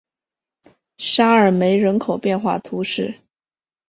沙尔梅人口变化图示